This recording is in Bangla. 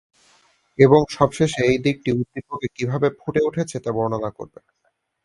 এবং সবশেষে এই দিকটি উদ্দীপকে কীভাবে ফুটে উঠেছে তা বর্ণনা করবে।